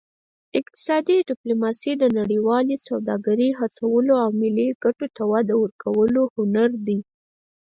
اقتصادي ډیپلوماسي د نړیوالې سوداګرۍ هڅولو او ملي ګټو ته وده ورکولو هنر دی